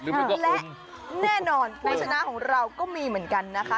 และแน่นอนผู้ชนะของเราก็มีเหมือนกันนะคะ